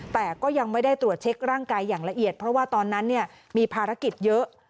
แต่ก็ยังไม่ได้ตรวจเช็คร่างกายอย่างละเอียดเพราะว่าตอนนั้นมีภารกิจเยอะ